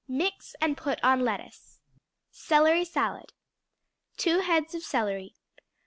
Mix and put on lettuce. Celery Salad 2 heads of celery.